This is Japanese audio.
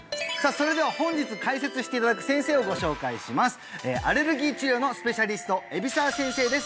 それでは本日解説していただく先生をご紹介しますアレルギー治療のスペシャリスト海老澤先生です